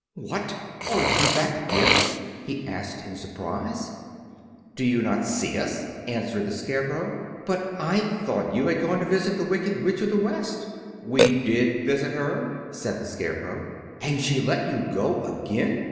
"What! are you back again?" he asked, in surprise. "Do you not see us?" answered the Scarecrow. "But I thought you had gone to visit the Wicked Witch of the West." "We did visit her," said the Scarecrow. "And she let you go again?"